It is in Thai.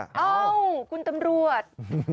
เอ้าคุณตำรวจ